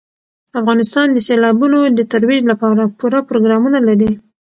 افغانستان د سیلابونو د ترویج لپاره پوره پروګرامونه لري.